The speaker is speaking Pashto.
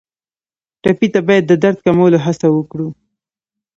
ټپي ته باید د درد کمولو هڅه وکړو.